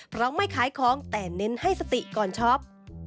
เพราะไม่ขายของแต่เน้นให้สติก่อนช็อป